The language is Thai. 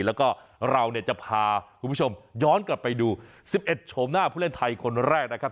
แล้วก็เราเนี่ยจะพาคุณผู้ชมย้อนกลับไปดู๑๑ชมหน้าผู้เล่นไทยคนแรกนะครับ